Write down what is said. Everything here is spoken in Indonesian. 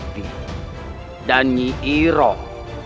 nyi iroh nyi iroh